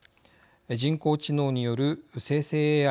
人工知能による生成ＡＩ